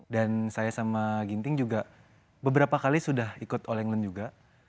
dan saya sama ginting juga beberapa kali sudah ikut all england juga